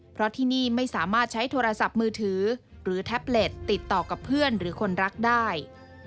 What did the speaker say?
เพราะที่นี่ไม่สามารถใช้โทรศัพท์มือถือหรือแท็บเล็ตติดต่อกับเพื่อนหรือคนรักได้